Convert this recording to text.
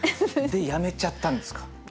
でやめちゃったんですか？